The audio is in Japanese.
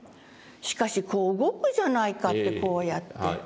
「しかしこう動くじゃないか」ってこうやって。